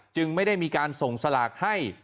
จึงไม่ได้มีการส่งสลากให้